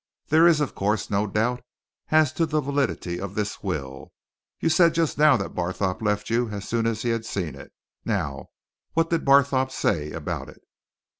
There is, of course, no doubt as to the validity of this will. You said just now that Barthorpe left you as soon as he had seen it. Now, what did Barthorpe say about it?"